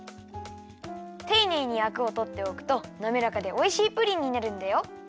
ていねいにアクをとっておくとなめらかでおいしいプリンになるんだよ。